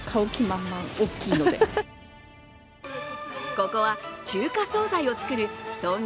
ここは中華総菜を作る創業